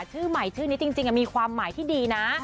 ชื่อใหม่ชื่อนี้จริงมีความหมายที่ดีนะ